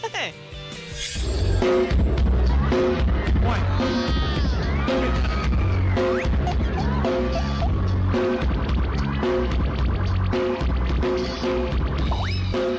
โอ้โหได้